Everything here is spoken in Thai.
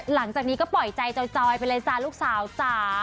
หลังจากนี้ก็ปล่อยใจจอยไปเลยจ้าลูกสาวจ๋า